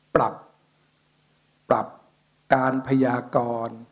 ปรับการพยากร